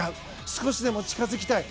少しでも近づきたい。